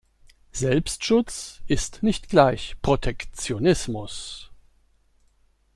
Selbstschutz ist nicht gleich Protektionismus.